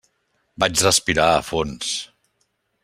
Vaig respirar a fons.